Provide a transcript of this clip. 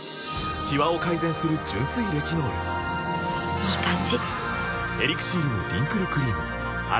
いい感じ！